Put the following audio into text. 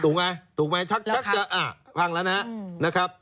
ถูกไหมถูกไหมชักจะฟังแล้วนะครับ